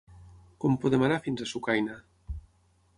Com podem anar fins a Sucaina?